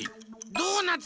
ドーナツ。